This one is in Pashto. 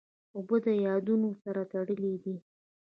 اوبه د یادونو سره تړلې دي.